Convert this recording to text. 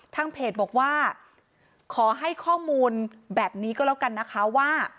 ทางเพจบอกว่าขอให้ข้อมูลแบบนี้ก็แล้วกันนะคะว่า